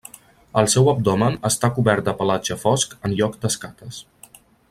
El seu abdomen està cobert de pelatge fosc en lloc d'escates.